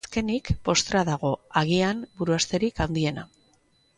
Azkenik, postrea dago, agian, buruhausterik handiena.